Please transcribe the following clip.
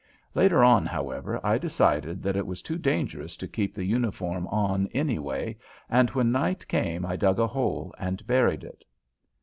Later on, however, I decided that it was too dangerous to keep the uniform on anyway, and when night came I dug a hole and buried it.